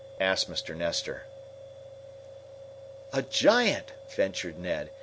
asked Mr. Nestor. "A giant," ventured Ned.